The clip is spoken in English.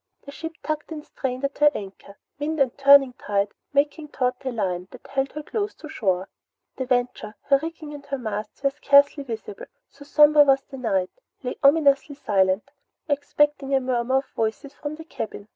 The ship tugged and strained at her anchor, wind and turning tide making taut the line that held her close to shore. The Venture, her rigging and masts scarcely visible, so sombre was the night, lay ominously silent, excepting for a murmur of voices from the cabin.